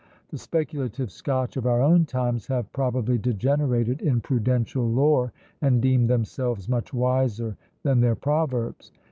The speculative Scotch of our own times have probably degenerated in prudential lore, and deem themselves much wiser than their proverbs.